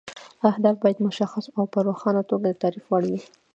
اهداف باید مشخص او په روښانه توګه د تعریف وړ وي.